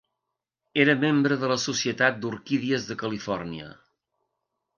Era membre de la Societat d'Orquídies de Califòrnia.